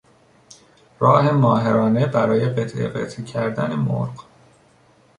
راه ماهرانه برای قطعه قطعه کردن مرغ